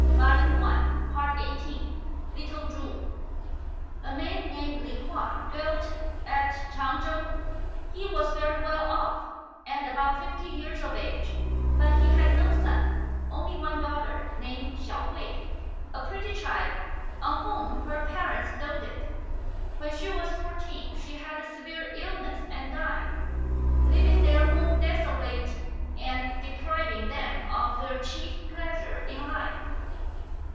FROM A CHINESE STUDIO. 143 XVIII. LITTLE CHU. A MAN named Li Hua dwelt at Ch'ang chou. He was very well off, and about fifty years of age, but he had no sons; only one daughter, named Hsiao hui, a pretty child on whom her parents doted. When she was four teen she had a severe illness and died, leaving their home desolate and depriving them of their chief pleasure in life.